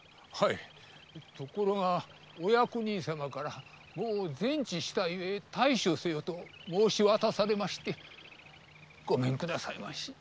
はいところがお役人様からもう全治したゆえ退所せよと申し渡されましてごめんくださいまし。